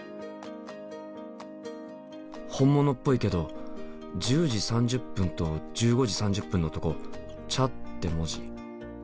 本物っぽいけど１０時３０分と１５時３０分のとこ「茶」って文字。